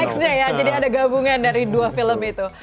nextnya ya jadi ada gabungan dari dua film itu